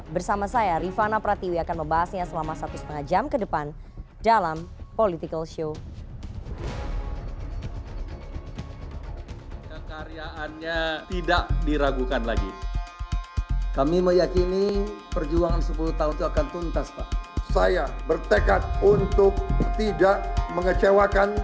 bersama saya rifana pratiwi akan membahasnya selama satu setengah jam ke depan dalam political show